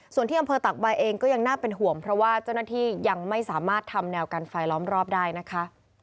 ส่วนที่อำเภอตักใบเองก็ยังน่าเป็นห่วงเพราะว่าเจ้าหน้าที่ยังไม่สามารถทำแนวกันไฟล้อมรอบได้นะคะ